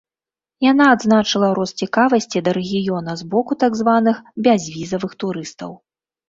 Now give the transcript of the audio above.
Яна адзначыла рост цікавасці да рэгіёна з боку так званых бязвізавых турыстаў.